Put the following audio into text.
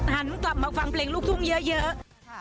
หันกลับมาฟังเพลงลูกทุ่งเยอะ